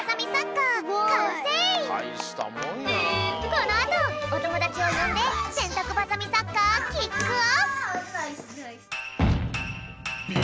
このあとおともだちをよんでせんたくバサミサッカーキックオフ！